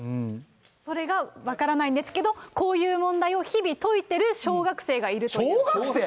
それが分からないんですけど、こういう問題を日々解いてる小学生がいるという。